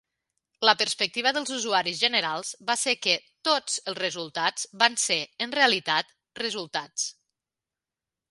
La perspectiva dels usuaris generals va ser que "tots" els resultats van ser, en realitat, "resultats.